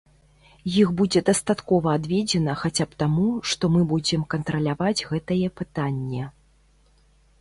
Іх будзе дастаткова адведзена хаця б таму, што мы будзем кантраляваць гэтае пытанне.